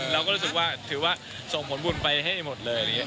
เราก็รู้สึกว่าถือว่าส่งหมอนบุญไปให้ให้หมดเลย